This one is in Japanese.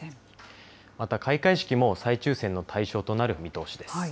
また開会式も、再抽せんの対象となる見通しです。